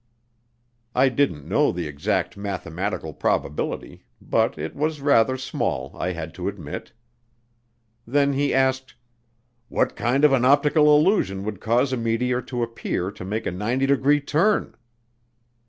I didn't know the exact mathematical probability, but it was rather small, I had to admit. Then he asked, "What kind of an optical illusion would cause a meteor to appear to make a 90 degree turn?"